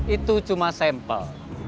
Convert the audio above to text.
itu cuma sampel